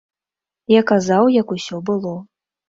Я казаў, як усё было.